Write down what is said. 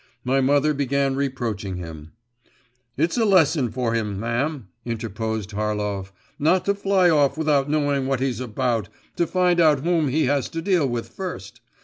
My mother began reproaching him. 'It's a lesson for him, ma'am,' interposed Harlov, 'not to fly off without knowing what he's about, to find out whom he has to deal with first.